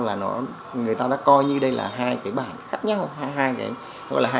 là người ta đã coi như đây là hai cái bản khác nhau hay là hai bản phái sinh của cùng một tác phẩm rồi